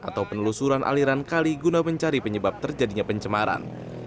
atau penelusuran aliran kali guna mencari penyebab terjadinya pencemaran